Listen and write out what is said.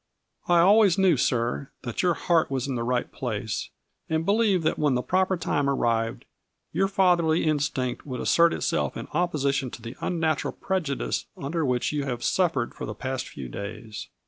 I always knew, sir, that your heart was in the right place, and believed that when the proper time arrived, your fatherly instinct would assert itself in op position to the unnatural prejudice under which you have suffered for the past few days.